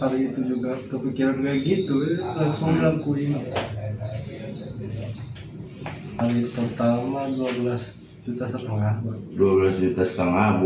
hari itu juga kepikiran kayak gitu langsung melakuin